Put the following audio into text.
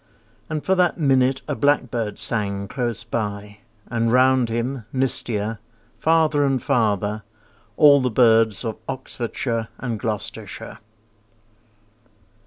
And for that minute a blackbird sang Close by, and round him, mistier, Farther and farther, all the birds Of Oxfordshire and Gloucestershire.